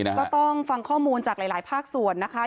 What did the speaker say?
ก็ต้องฟังข้อมูลจากหลายภาคส่วนนะคะ